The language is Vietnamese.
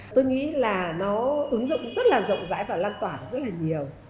tôi nghĩ là nó ứng dụng rất là rộng rãi và lan tỏa rất là nhiều